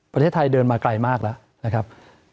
ประเทศไทยเดินมาไกลมากแล้วนะครับ